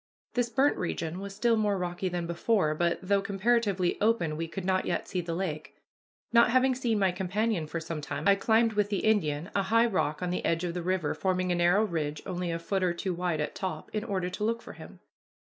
This burnt region was still more rocky than before, but, though comparatively open, we could not yet see the lake. Not having seen my companion for some time, I climbed with the Indian a high rock on the edge of the river forming a narrow ridge only a foot or two wide at top, in order to look for him.